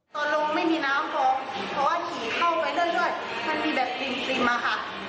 ตอนลงไม่มีน้ำเพราะว่าขี่เข้าไปเรื่อยเรื่อยมันมีแบบกลิ่นกลิ่นมาค่ะ